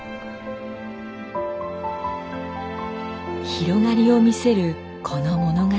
広がりを見せるこの物語。